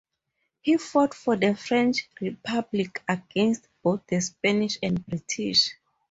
He fought for the French Republic against both the Spanish and British.